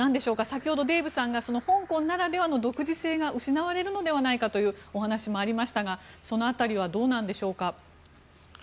先ほど、デーブさんが香港ならではの独自性が失われるのではないかというお話もありましたがその辺りはどうなんでしょうか。